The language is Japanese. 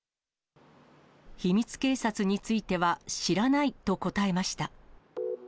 秘密警察については、知らないと答えました。